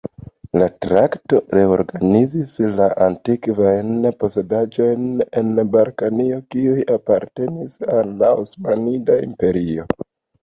La traktato reorganizis la antikvajn posedaĵojn en Balkanio kiuj apartenis al la Osmanida Imperio.